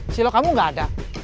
cilok kamu tidak ada